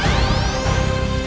aku akan menang